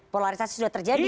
polarisasi sudah terjadi